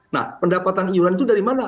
nah pendapatan iuran itu dari mana